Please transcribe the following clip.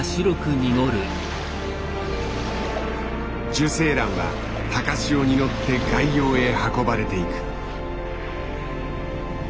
受精卵は高潮に乗って外洋へ運ばれていく。